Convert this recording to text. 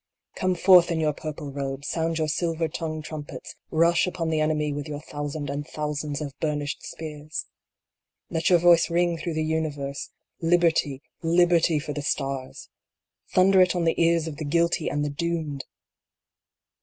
Come forth in your purple robes, sound your silver tongue trumpets ; Rush upon the enemy with your thousand and thousands of burnished spears ! Let your voices ring through the Universe, "Liberty, liberty for the stars." Thunder it on the ears of the guilty and the doomed